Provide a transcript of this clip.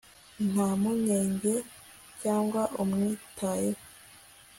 nta mpungenge cyangwa umwitayeho